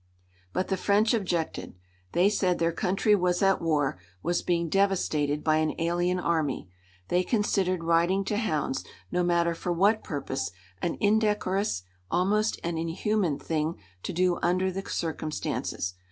But the French objected. They said their country was at war, was being devastated by an alien army. They considered riding to hounds, no matter for What purpose, an indecorous, almost an inhuman, thing to do under the circumstances.